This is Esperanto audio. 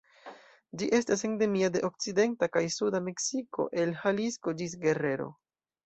Ĝi estas endemia de okcidenta kaj suda Meksiko, el Jalisco ĝis Guerrero.